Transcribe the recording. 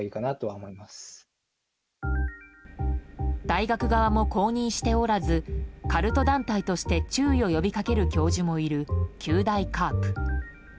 大学側も公認しておらずカルト団体として注意を呼び掛ける教授もいる九大カープ。